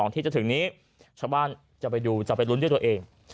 ที่จะถึงนี้ชาวบ้านจะไปดูจะไปลุ้นด้วยตัวเอง